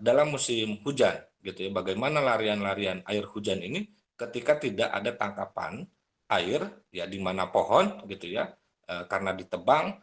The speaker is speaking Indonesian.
dalam musim hujan bagaimana larian larian air hujan ini ketika tidak ada tangkapan air di mana pohon karena ditebang